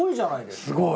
すごい！